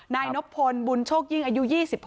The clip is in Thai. นายนบพลบุญโชคยิ่งอายุ๒๕